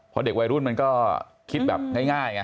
เพราะเด็กวัยรุ่นมันก็คิดแบบง่ายไง